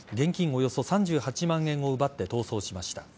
およそ３８万円を奪って逃走しました。